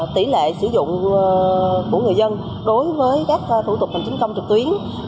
tỷ lệ sử dụng của người dân đối với các thủ tục hành chính công trực tuyến